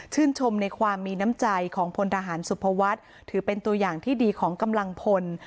ชมในความมีน้ำใจของพลทหารสุภวัฒน์ถือเป็นตัวอย่างที่ดีของกำลังพล